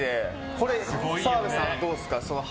これ、澤部さんどうですか？